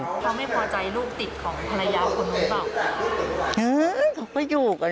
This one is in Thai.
ก็ไม่พอใจลูกติดของภรรยากู้นู้นเปล่า